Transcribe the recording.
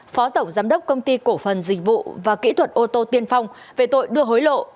phó tổng giám đốc công ty cổ phần dịch vụ và kỹ thuật ô tô tiên phong về tội đưa hối lộ